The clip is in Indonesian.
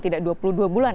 tidak dua puluh dua bulan